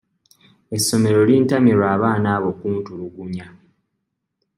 Essomero lintamye lwa baana abo kuntulugunya.